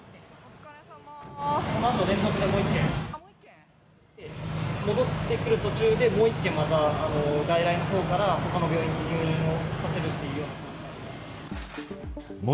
このあと連続でもう１件、戻ってくる途中で、もう一件、また外来のほうからほかの病院に入院をさせるというような。